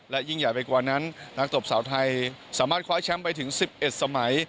และยิ่งใหญ่ไปกว่านั้นนักตบสาวไทยสามารถคว้าแชมป์ไปถึง๑๑สมัย